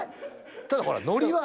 ただほらノリは。